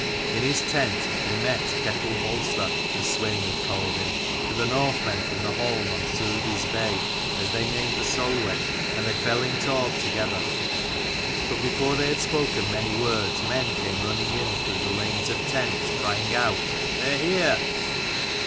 In his tent they met Ketel Bolster as Swein had called him, and the Northmen from the holm on Solvi's bay, as they named the Solway, and they fell in talk together. But before they had spoken many words, men came running in through the lanes of tents, crying out "They are here!